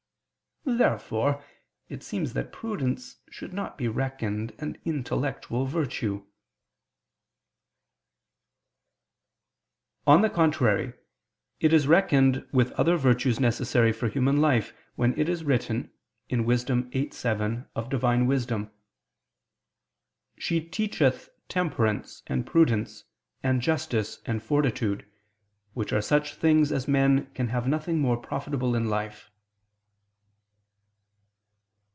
Therefore it seems that prudence should not be reckoned an intellectual virtue. On the contrary, It is reckoned with other virtues necessary for human life, when it is written (Wis. 8:7) of Divine Wisdom: "She teacheth temperance and prudence and justice and fortitude, which are such things as men can have nothing more profitable in life."